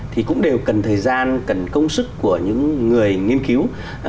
thì cũng đều cần thời gian cần công sức của những người nghiên cứu